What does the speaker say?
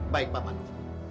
baik pak pandu